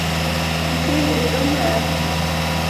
Ni ser ju, hur lugn jag är.